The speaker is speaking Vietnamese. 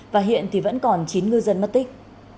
và hiện thì vẫn còn chín ngư dân mất tích